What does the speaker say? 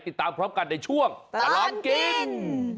ติดตามพร้อมกันในช่วงตลอดกิน